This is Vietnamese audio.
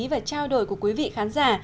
và trao đổi của quý vị khán giả